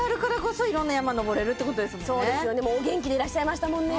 そうですよねお元気でいらっしゃいましたもんね